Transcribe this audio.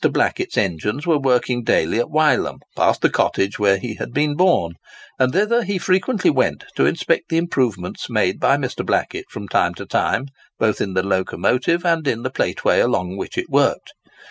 Blackett's engines were working daily at Wylam, past the cottage where he had been born; and thither he frequently went to inspect the improvements made by Mr. Blackett from time to time both in the locomotive and in the plateway along which it worked.